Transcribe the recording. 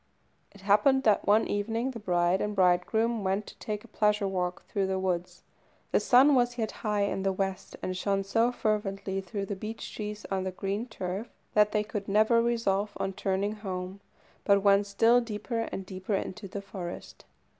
It happened that one evening the bride and bridegroom went to take a pleasure walk through the woods. The sun was yet high in the west, and shone so fervently through the beech trees on the green turf that they could never resolve on turning home, but went still deeper and deeper into the forest.